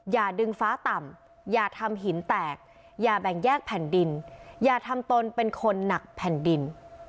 อย่าดึงฟ้าต่ำอย่าทำหินแตกอย่าแบ่งแยกแผ่นดินอย่าทำตนเป็นคนหนักแผ่นดิน